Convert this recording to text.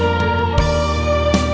aku masih main